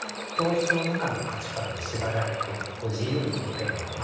教室の中の価値観に縛られて自由に動けない。